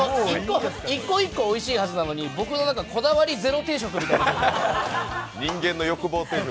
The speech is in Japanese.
１個１個おいしいはずなのに僕のこだわりゼロ定食みたいになっている。